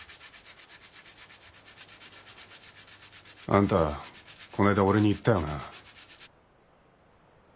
あんたこの間俺に言ったよな？